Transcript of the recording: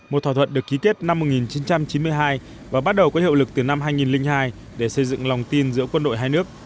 một thỏa thuận được ký kết năm một nghìn chín trăm chín mươi hai và bắt đầu có hiệu lực từ năm hai nghìn hai để xây dựng lòng tin giữa quân đội hai nước